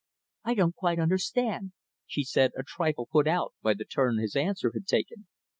"I don't quite understand," she said, a trifle put out by the turn his answer had taken.